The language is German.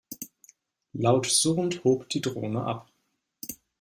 Laut surrend hob die Drohne ab.